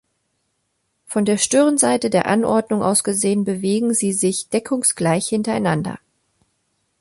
Von der Stirnseite der Anordnung aus gesehen bewegen sie sich deckungsgleich hintereinander.